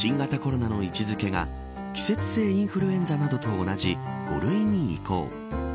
今日から新型コロナの位置付けが季節性インフルエンザなどと同じ５類に移行。